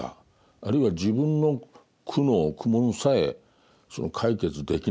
あるいは自分の苦悩苦悶さえ解決できないと。